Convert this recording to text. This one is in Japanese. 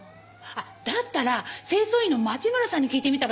だったら清掃員の町村さんに聞いてみたらどうかしら？